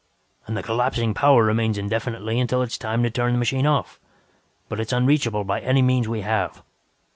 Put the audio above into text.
And the collapsing power remains indefinitely until it is time to turn the machine off, but it's unreachable by any means we have.